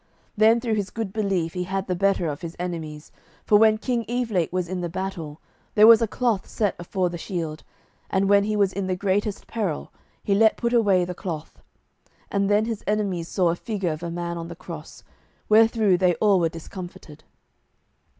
Then through his good belief he had the better of his enemies; for when King Evelake was in the battle, there was a cloth set afore the shield, and when he was in the greatest peril he let put away the cloth, and then his enemies saw a figure of a man on the cross, wherethrough they all were discomfited.